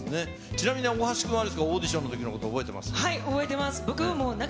ちなみに大橋君はあれですか、オーディションのときのことを覚はい、覚えてます。